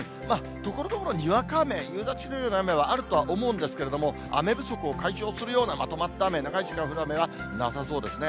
ところどころにわか雨、夕立のような雨はあると思うんですけれども、雨不足を解消するようなまとまった雨、長い時間降る雨はなさそうですね。